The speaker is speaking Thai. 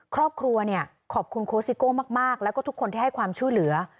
ครอบครัวเนี่ยขอบคุณโค้ซิโก้มากแล้วก็ทุกคนที่ให้ความช่วยเหลือ